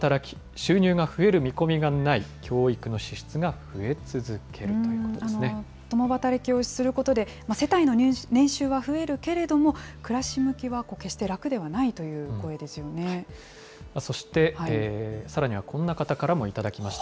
収入が増える見込みがない、教育の支出が増え続けるということで共働きをすることで、世帯の年収は増えるけれども、暮らし向きは決して楽ではないという声でそしてさらにはこんな方からも頂きました。